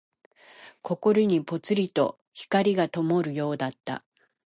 心にぽつりと灯がともるようだった。